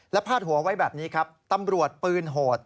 และพาดหัวไว้แบบนี้ครับตำรวจปืนโหด